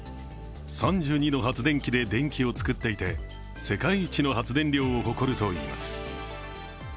３２の発電機で電気を作っていて、世界一の発電量を誇るといいます。